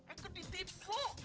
eh ke ditipu